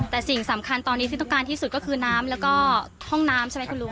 แต่สิ่งสำคัญตอนนี้ที่ต้องการที่สุดก็คือน้ำแล้วก็ห้องน้ำใช่ไหมคุณลุง